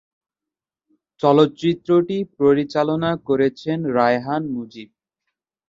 চলচ্চিত্রটি পরিচালনা করেছেন রায়হান মুজিব।